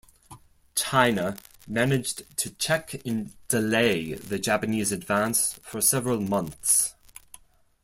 China managed to check and delay the Japanese advance for several months.